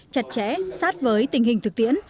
chặt chẽ sát với tình hình thực tiễn